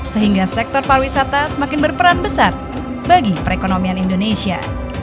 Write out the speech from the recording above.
sehingga sektor pariwisata semakin berperan besar bagi perekonomian indonesia